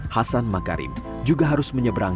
hasan makarim juga harus menyeberang